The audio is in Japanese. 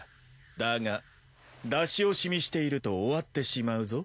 だが出し惜しみしていると終わってしまうぞ。